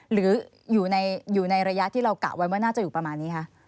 หรืออยู่ในระยะที่เรากะไว้ว่าน่าจะอยู่ประมาณนี้คะ